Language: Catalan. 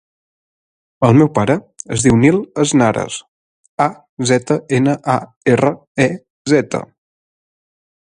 El meu pare es diu Nil Aznarez: a, zeta, ena, a, erra, e, zeta.